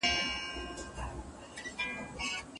له خپلو ستونزو سره په زړورتیا مخامخ سئ.